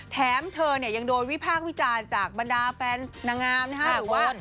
แถมเธอยังโดนวิพากษ์วิจารณ์จากบรรดาแฟนนางงามหรือว่า